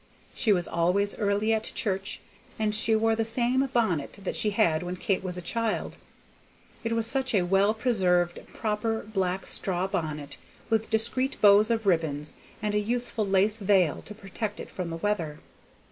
She was always early at church, and she wore the same bonnet that she had when Kate was a child; it was such a well preserved, proper black straw bonnet, with discreet bows of ribbon, and a useful lace veil to protect it from the weather.